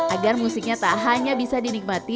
agar musiknya tak hanya bisa dinikmati